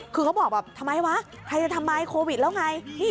คือเขาบอกแบบทำไมวะใครจะทำไมโควิดแล้วไง